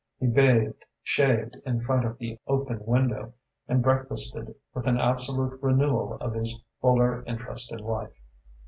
He bathed, shaved in front of the open window, and breakfasted with an absolute renewal of his fuller interest in life.